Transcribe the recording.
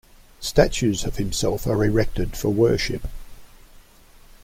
Statues of himself are erected for worship.